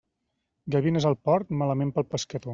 Gavines al port, malament pel pescador.